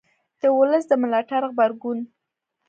د ولس د ملاتړ غبرګون